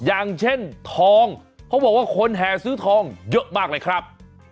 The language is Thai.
อย่างเช่นทองเขาบอกว่าคนแห่ซื้อทองเยอะมากเลยครับ